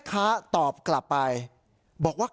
ค้าเป็นผู้ชายชาวเมียนมา